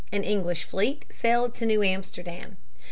An English fleet sailed to New Amsterdam.